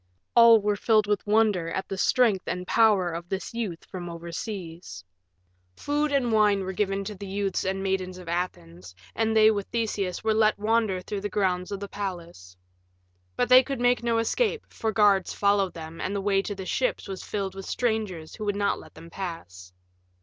All were filled with wonder at the strength and power of this youth from overseas. Food and wine were given the youths and maidens of Athens, and they with Theseus were let wander through the grounds of the palace. But they could make no escape, for guards followed them and the way to the ships was filled with strangers who would not let them pass.